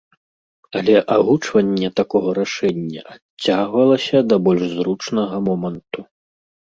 Але агучванне такога рашэння адцягвалася да больш зручнага моманту.